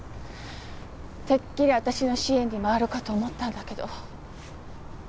てっきり私の支援に回るかと思ったんだけど。